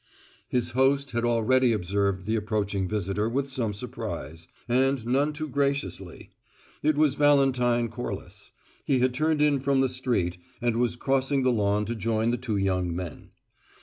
His host had already observed the approaching visitor with some surprise, and none too graciously. It was Valentine Corliss: he had turned in from the street and was crossing the lawn to join the two young men.